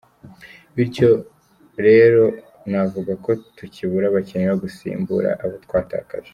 Bityo rweo navuga ko tukibura abakinnyi bo gusimbura abo twatakaje”.